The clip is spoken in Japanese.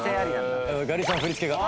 ガリさん振り付けが。